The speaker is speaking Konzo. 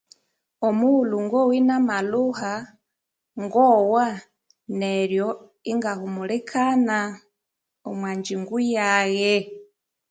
Omughulhu ngowa ina malhuha ngogha neryo inga humulikana omwa ngyingo yaghe